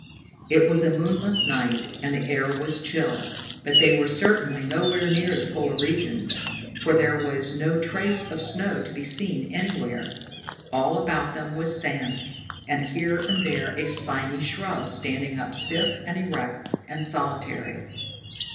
It was a moonless night, and the air was chill, but they were certainly nowhere near the polar regions, for there was no trace of snow to be seen anywhere. All about them was sand, with here and there a spiny shrub standing up stiff and erect and solitary.